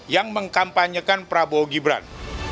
yang mengkampanyekan prabowo gibran